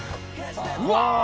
うわ！